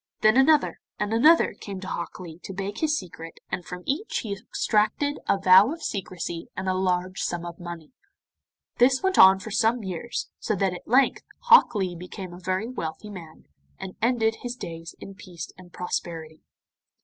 Then another and another came to Hok Lee to beg his secret, and from each he extracted a vow of secrecy and a large sum of money. This went on for some years, so that at length Hok Lee became a very wealthy man, and ended his days in peace and prosperity.